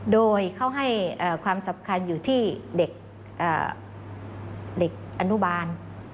โดยเขาให้ความสำคัญอยู่ที่เด็กอนุบาล